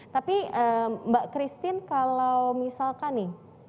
tapi mbak christine kalau misalkan nih